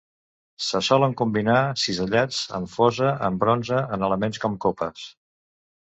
Se solen combinar cisellats amb Fosa en bronze en elements com copes.